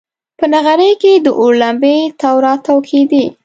په نغري کې د اور لمبې تاو راتاو کېدې.